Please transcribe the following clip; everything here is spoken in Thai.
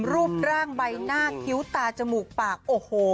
รูปร่างใบหน้าคิ้วตาจมูกปากโอ้โห